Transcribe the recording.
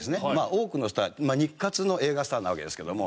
多くのスター日活の映画スターなわけですけども。